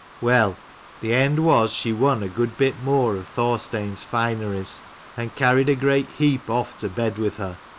Well, the end was she won a good bit more of Thorstein's fineries, and carried a great heap off to bed with her.